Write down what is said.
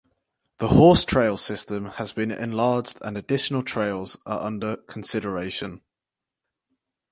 The horse trail system has been enlarged and additional trails are under consideration.